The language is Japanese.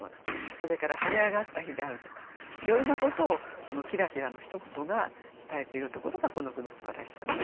それから晴れ上がった日であるとかいろいろなことをこの「きらきら」のひと言が伝えているところがこの句のすばらしさです。